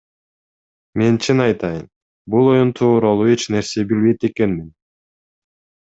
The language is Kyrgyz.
Мен, чын айтайын, бул оюн тууралуу эч нерсе билбейт экенмин.